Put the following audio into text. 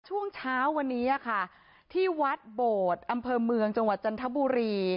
ช่วงเช้าวันนี้ค่ะที่วัดโบดอำเภอเมืองจังหวัดจันทบุรี